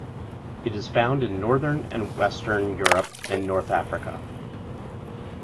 It is found in northern and western Europe and north Africa.